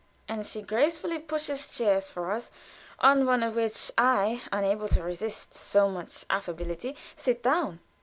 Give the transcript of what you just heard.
And she gracefully pushes chairs for us; on one of which I, unable to resist so much affability, sit down.